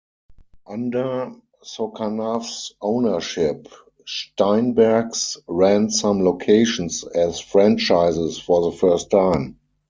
Under Socanav's ownership, Steinberg's ran some locations as franchises for the first time.